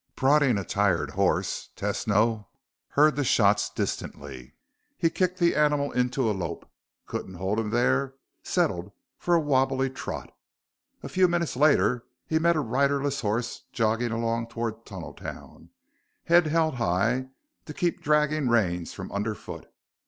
Prodding a tired horse, Tesno heard the shots distantly. He kicked the animal into a lope, couldn't hold him there, settled for a wobbly trot. A few minutes later, he met a riderless horse jogging along toward Tunneltown, head held high to keep dragging reins from underfoot.